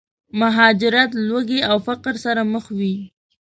مهاجرت، لوږې او فقر سره مخ وي.